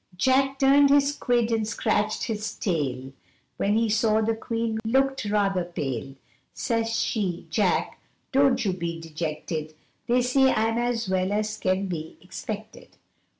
Jack turned his quid, and scratched his tail, When he saw the Queen looked rather pale Says she, 'Jack, don't you be dejected They say I'm as well as can be expected!